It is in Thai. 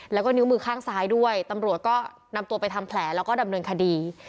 แล้วก็นิ้วมือข้างซ้ายด้วยตำรวจก็นำตัวไปทำแผลแล้วก็ดำเนินคดี